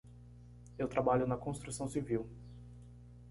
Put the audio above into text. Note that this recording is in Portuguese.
Eu trabalho na construção civil.